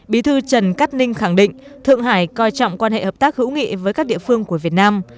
bí thư trần cát ninh khẳng định thượng hải coi trọng quan hệ hợp tác hữu nghị với các địa phương của việt nam